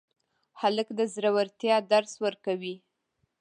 هلک د زړورتیا درس ورکوي.